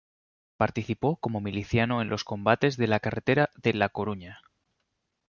Participó como miliciano en los combates de la carretera de La Coruña.